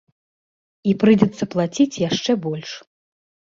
І прыйдзецца плаціць яшчэ больш.